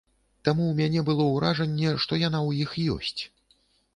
Таму ў мяне было ўражанне, што яна ў іх ёсць.